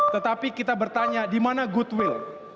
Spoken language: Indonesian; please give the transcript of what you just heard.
tetapi kita bertanya dimana goodwill